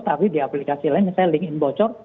tapi di aplikasi lain misalnya link in bocor